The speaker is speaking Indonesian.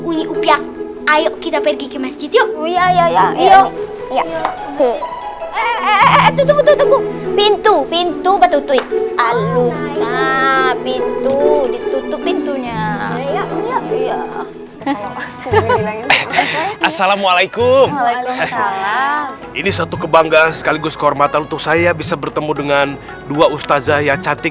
ini upia ayo kita pergi ke masjid yuk iya iya iya iya iya tuh pintu pintu betul betul alung pintu